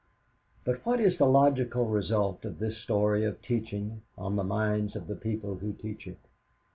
"'But what is the logical result of this story of teaching on the minds of the people who teach it?